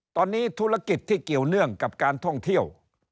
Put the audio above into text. ตอนนี้ธุรกิจที่เกี่ยวเนื่องกับการท่องเที่ยว